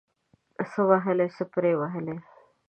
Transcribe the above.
څه وهلي ، څه پري وهلي.